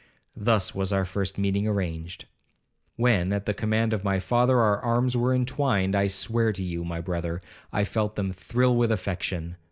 Thus was our first meeting arranged. When, at the command of my father, our arms were entwined, I swear to you, my brother, I felt them thrill with affection.